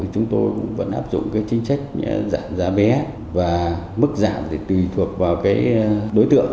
chúng tôi vẫn áp dụng chính trách giảm giá bé và mức giảm tùy thuộc vào đối tượng